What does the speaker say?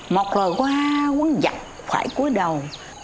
một đồ hoa quấn giặc phải cuối đầu